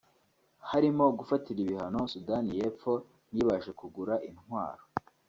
harimo gufatira ibihano Sudani y’Epfo ntibashe kugura intwaro